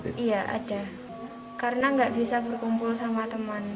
karena tidak bisa berkumpul dengan teman